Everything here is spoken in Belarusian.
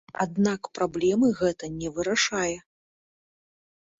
Аднак праблемы гэта не вырашае.